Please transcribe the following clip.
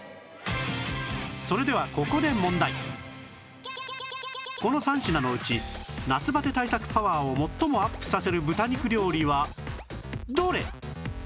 それではここでこの３品のうち夏バテ対策パワーを最もアップさせる豚肉料理はどれ？